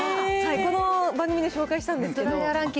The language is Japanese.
この番組で紹介したんですけど。